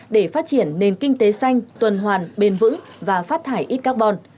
để phát triển nền kinh tế xanh tuần hoàn bền vững và phát thải ít carbon